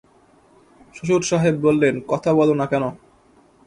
শ্বশুরসাহেব বললেন, কথা বল না কেন?